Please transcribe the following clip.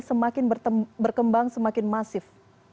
semakin berkembang semakin masif